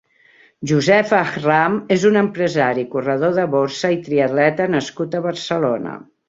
Josef Ajram és un empresari, corredor de borsa i triatleta nascut a Barcelona.